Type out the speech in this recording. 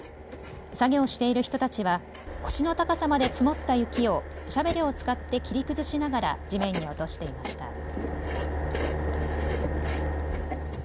作業している人たちは腰の高さまで積もった雪をシャベルを使って切り崩しながら地面に落としていました。